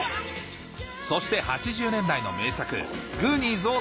そして８０年代の名作